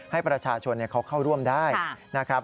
ให้ประชาชนเขาเข้าร่วมได้นะครับ